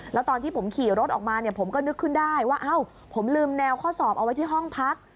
แล้วตอนที่ผมขี่รถออกมาเนี่ยผมก็นึกขึ้นได้ว่าเอ้าผมลืมแนวข้อสอบเอาไว้ที่ห้องพัก